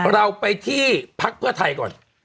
เราไปที่พักเพื่อไทยก่อน